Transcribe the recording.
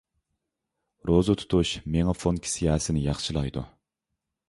روزا تۇتۇش مېڭە فۇنكسىيەسىنى ياخشىلايدۇ.